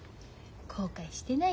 後悔してない？